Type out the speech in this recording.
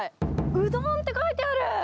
うどんって書いてある！